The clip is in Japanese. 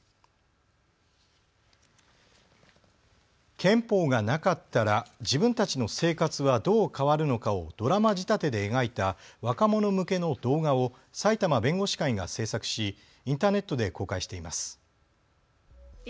憲法がなかったら自分たちの生活はどう変わるのかをドラマ仕立てで描いた若者向けの動画を埼玉弁護士会が制作し、インターネットで公開しています。